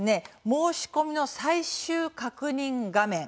申し込みの最終確認画面